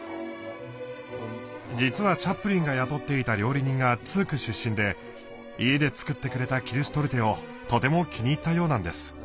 実はチャップリンが雇っていた料理人がツーク出身で家で作ってくれたキルシュトルテをとても気に入ったようなんです。